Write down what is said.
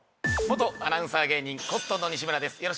元アナウンサー芸人コットンの西村です